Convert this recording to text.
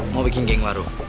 mau bikin geng baru